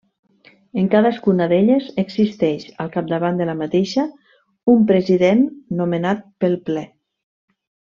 En cadascuna d'elles existeix, al capdavant de la mateixa, un President nomenat pel Ple.